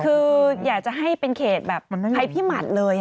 คืออยากจะให้เป็นเกรดแบบไพ่พี่หมัดเลย